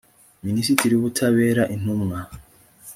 minisitiri w ubutabera intumwa